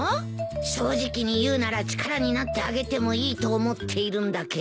正直に言うなら力になってあげてもいいと思っているんだけど。